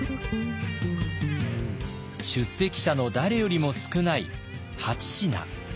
出席者の誰よりも少ない８品。